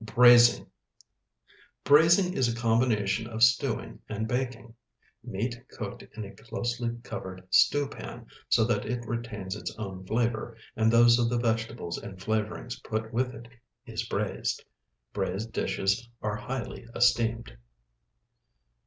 BRAIZING Braizing is a combination of stewing and baking. Meat cooked in a closely covered stew pan, so that it retains its own flavor and those of the vegetables and flavorings put with it, is braized. Braized dishes are highly esteemed.